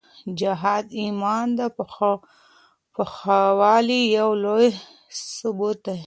جهاد د ایمان د پخوالي یو لوی ثبوت دی.